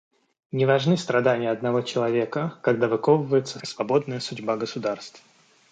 Не важны страдания одного человека, когда выковывается свободная судьба государств.